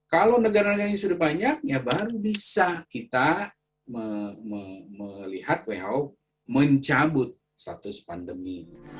kalau negara negara ini sudah banyak ya baru bisa kita melihat who mencabut status pandemi